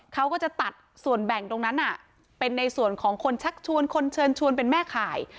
เขาก็จะตัดส่วนแบ่งตรงนั้นเป็นในส่วนของคนชักชวนคนเชิญชวนเป็นแม่ข่าย